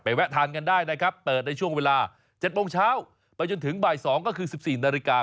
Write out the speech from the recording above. แวะทานกันได้นะครับเปิดในช่วงเวลา๗โมงเช้าไปจนถึงบ่าย๒ก็คือ๑๔นาฬิกา